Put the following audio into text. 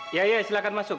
iya iya silahkan masuk